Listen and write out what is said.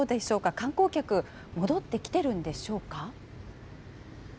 観光客、戻ってきてるんでしょうか？